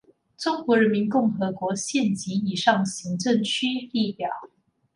中华人民共和国县级以上行政区列表